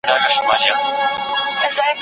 باغ به لاښ بهار به تېر وي دلته نور ګلونه هم سته